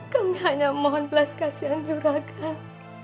kami hanya mohon pelas kasihan juragan